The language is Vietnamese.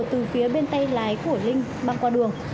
từ phía bên tay lái của linh băng qua đường